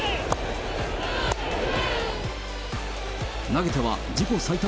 投げては自己最多